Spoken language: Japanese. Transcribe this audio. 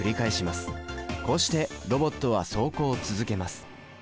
こうしてロボットは走行を続けます。